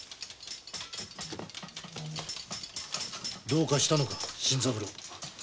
どうかしたのか新三郎？